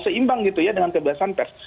seimbang gitu ya dengan kebebasan pers